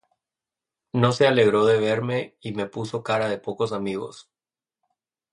No se alegró de verme y me puso cara de pocos amigos